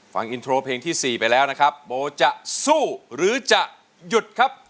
ฟังอินโทรเพลงที่๔ไปแล้วนะครับโบจะสู้หรือจะหยุดครับ